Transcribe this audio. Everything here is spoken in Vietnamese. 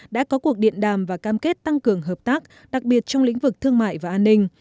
đã có cuộc điện đàm và cam kết tăng cường hợp tác đặc biệt trong lĩnh vực thương mại và an ninh